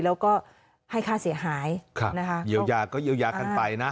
แล้วก็ให้ค่าเสียหายเยียวยาก็เยียวยากันไปนะ